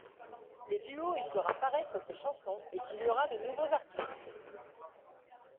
Le duo y fera paraître ses chansons et signera de nouveaux artistes.